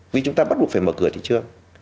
vì chúng ta bắt buộc phải mở cửa thị trường